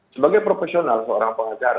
sebagai profesional seorang pengacara